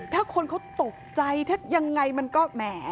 ถ้าคนเขาตกใจถ้ายังไงมันก็แหม